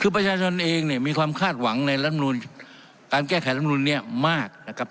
คือประชาชนเองเนี่ยมีความคาดหวังในลำนูลการแก้ไขรำนูนเนี่ยมากนะครับ